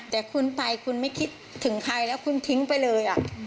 แต่คุณไปคุณไม่คิดถึงใครแล้วคุณทิ้งไปเลย